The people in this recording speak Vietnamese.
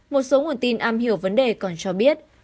một số nguồn tin am hiểu vấn đề còn cho biết